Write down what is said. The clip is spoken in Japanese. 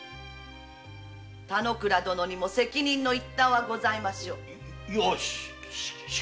田之倉殿にも責任の一端はございましょう。